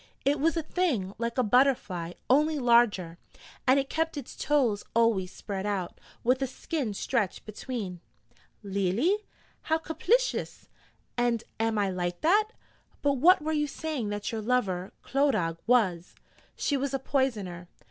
'It was a thing like a butterfly, only larger, and it kept its toes always spread out, with a skin stretched between.' 'Leally? How caplicious! And am I like that? but what were you saying that your lover, Clodagh, was?' 'She was a Poisoner.'